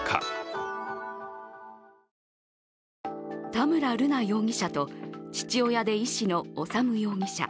田村瑠奈容疑者と父親で医師の修容疑者。